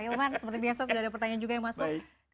hilman seperti biasa sudah ada pertanyaan juga yang masuk